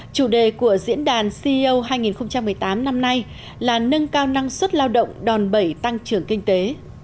chủ đề của diễn đàn ceo hai nghìn một mươi tám năm nay là nâng cao năng suất lao động đòn bẩy tăng trưởng kinh tế